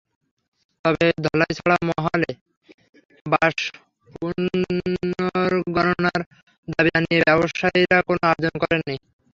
তবে ধলাইছড়া মহালে বাঁশ পুনর্গণনার দাবি জানিয়ে ব্যবসায়ীরা কোনো আবেদন করেননি।